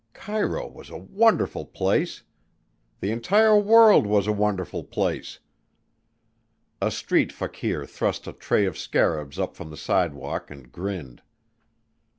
Cairo was a wonderful place! The entire world was a wonderful place! A street fakir thrust a tray of scarabs up from the sidewalk and grinned.